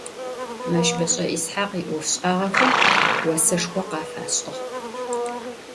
Meşbeş'e Yishakh yi'ofş'ağexem voseşşxo khafaş'ığ.